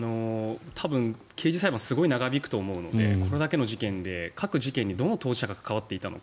多分、刑事裁判すごく長引くと思うのでこれだけの事件で各事件にどう当事者が関わっていたのか。